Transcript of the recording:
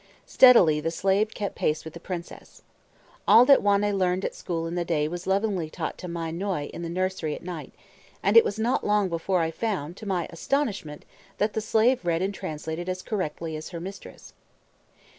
Steadily the slave kept pace with the princess. All that Wanne learned at school in the day was lovingly taught to Mai Noie in the nursery at night; and it was not long before I found, to my astonishment, that the slave read and translated as correctly as her mistress.